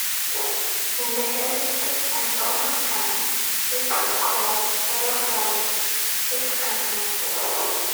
In the Hellenistic and Roman times it was called Areopolis, its Greek name.